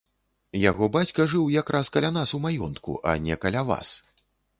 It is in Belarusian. Яго бацька жыў якраз каля нас у маёнтку, а не каля вас.